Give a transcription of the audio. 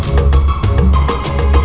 dot dot dot buka dot buka dot